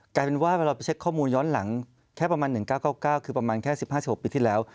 กลายเป็นว่าเราไปเช็คข้อมูลย้อนหลังแค่ประมาณ๑๙๙คือประมาณแค่๑๕๑๖ปีที่แล้ว